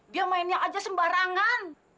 dia mainnya aja sembarangan